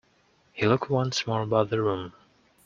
He looked once more about the room.